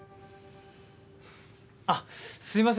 あっすいません